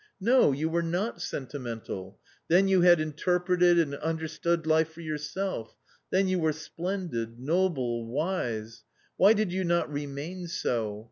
" No, you were not sentimental. Then you had inter preted and understood life for yourself; then you were splendid, noble, wise Why did you not remain so